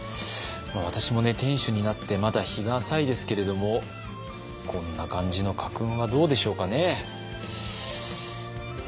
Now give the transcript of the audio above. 私もね店主になってまだ日が浅いですけれどもこんな感じの家訓はどうでしょうかね。